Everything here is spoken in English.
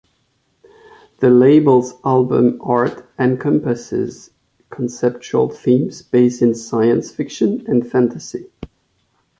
The label's album art encompasses conceptual themes based in science fiction and fantasy.